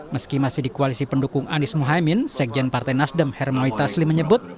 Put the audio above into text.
meski masih di koalisi pendukung anies mohaimin sekjen partai nasdem hermawi taslim menyebut